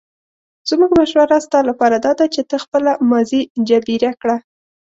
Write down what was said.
زموږ مشوره ستا لپاره داده چې ته خپله ماضي جبیره کړه.